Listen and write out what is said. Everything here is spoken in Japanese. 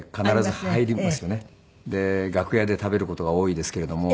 で楽屋で食べる事が多いですけれども。